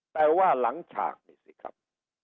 แต่ว่าหลังฉากนี่สิครับ